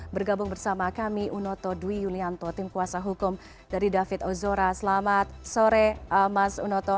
bergabung bersama kami unoto dwi yulianto tim kuasa hukum dari david ozora selamat sore mas unoto